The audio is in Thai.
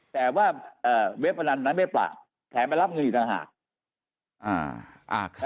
แต่ว่าเว็บพนันนั้นไม่ปรับแถมมารับเงินอีกต่างหาก